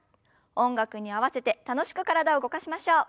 音楽に合わせて楽しく体を動かしましょう。